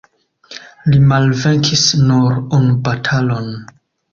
Li malvenkis nur unu batalon.